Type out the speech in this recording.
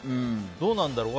どうなんだろう。